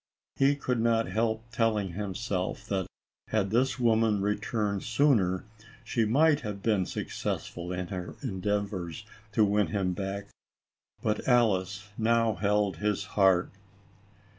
He could not help telling him self that, had this woman returned sooner, she might have been successful in her endeavors to win him back. But Alice now held his heart.